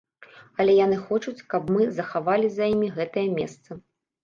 Але яны хочуць, каб мы захавалі за імі гэтае месца.